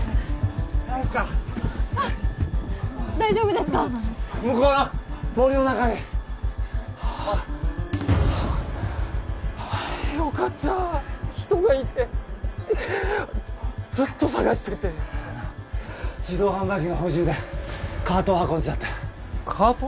大丈夫ですか大丈夫ですか向こうの森の中によかった人がいてずっと探してて自動販売機の補充でカートを運んでたってカート？